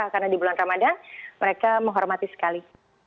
karena di bulan ramadhan mereka menghormati sekali